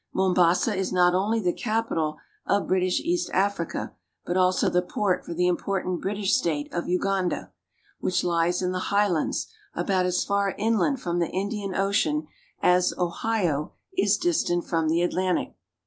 Mombasa is not only the capital of British East Africa, but also the port for the important British state of Uganda (6o gan'da), which lies in the highlands about as far inland from the Indian Ocean as Ohio is distant from the Atlantic.